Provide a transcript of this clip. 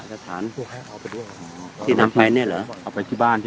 สวัสดีครับทุกคน